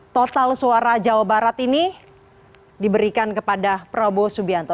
total suara jawa barat ini diberikan kepada prabowo subianto